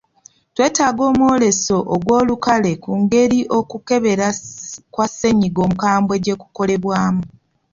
Twetaaga omwoleso ogw'olukale ku ngeri okukebera kwa ssenyiga omukwambwe gye kukolebwamu.